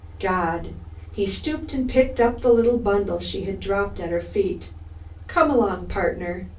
"God!" He stooped and picked up the little bundle she had dropped at her feet. "Come along, Partner.